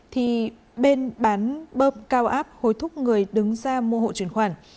thì bên bán bơm cao áp hối thúc người đứng ra mua hộ truyền khoản